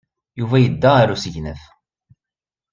Yuba yedda ɣer usegnaf.